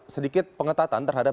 sedikit pengetatan terhadap